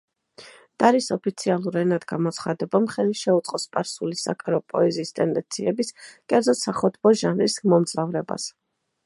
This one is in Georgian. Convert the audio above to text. დარის ოფიციალურ ენად გამოცხადებამ ხელი შეუწყო სპარსული საკარო პოეზიის ტენდენციების, კერძოდ, სახოტბო ჟანრის მომძლავრებას.